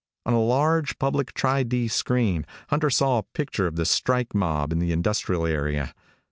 On a large, public Tri D screen Hunter saw a picture of the strike mob in the industrial area.